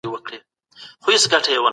د ډېرې ناستې تر منځ پاڅه